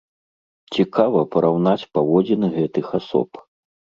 Цікава параўнаць паводзіны гэтых асоб.